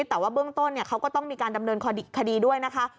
แต่ว่าเบื้องต้นเขาก็ต้องมีการดำเนินคดีด้วยนะคะ